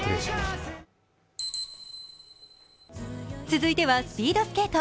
続いてはスピードスケート。